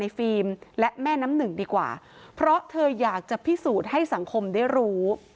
ฟิล์มและแม่น้ำหนึ่งดีกว่าเพราะเธออยากจะพิสูจน์ให้สังคมได้รู้